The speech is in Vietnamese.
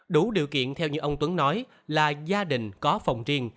đủ điều kiện theo như ông tuấn nói là gia đình có phòng riêng